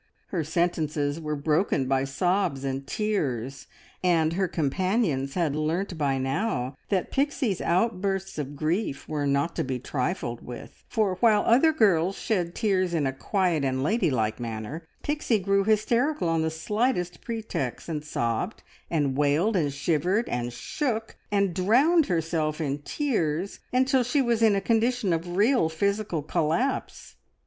Her sentences were broken by sobs and tears, and her companions had learnt by now that Pixie's outbursts of grief were not to be trifled with, for while other girls shed tears in a quiet and ladylike manner, Pixie grew hysterical on the slightest pretext, and sobbed, and wailed, and shivered, and shook, and drowned herself in tears until she was in a condition of real physical collapse.